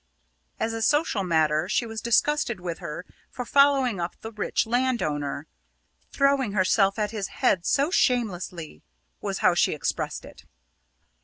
As a social matter, she was disgusted with her for following up the rich landowner "throwing herself at his head so shamelessly," was how she expressed it.